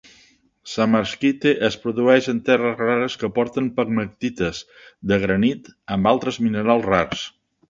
Samarskite es produeix en terres rares que porten pegmatites de granit amb altres minerals rars.